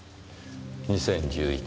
２０１１年。